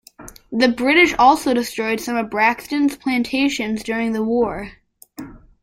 The British also destroyed some of Braxton's plantations during the war.